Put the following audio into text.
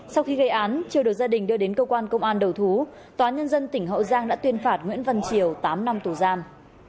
sau khi gây án triều được gia đình đưa đến cơ quan công an đầu thú tòa nhân dân tỉnh hậu giang đã tuyên phạt nguyễn văn triều tám năm tù giam